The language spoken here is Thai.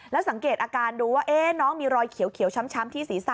แล้วสังเกตอาการดูว่าน้องมีรอยเขียวช้ำที่ศีรษะ